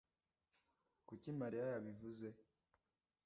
Kuki Maria yabivuze?